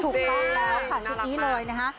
ถูกต้องแล้วค่ะชุดนี้เลยนะคะ